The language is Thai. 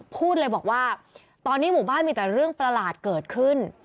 พูดเลยบอกว่าตอนนี้หมู่บ้านมีแต่เรื่องประหลาดเกิดขึ้น